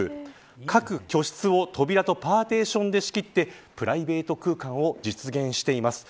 各居室を扉とパーテーションで仕切ってプライベート空間を実現しています。